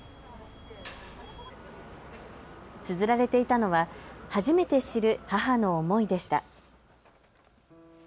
つづられていたのは初めて知る母の思いでした。